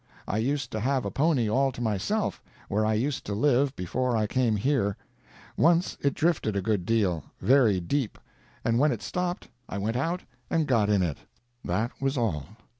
I used to have a pony all to myself, where I used to live before I came here. Once it drifted a good deal—very deep—and when it stopped I went out and got in it." That was all.